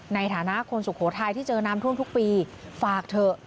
ในฐานะคนสุโขทัยที่เจอน้ำท่วมทุกปีฝากเถอะ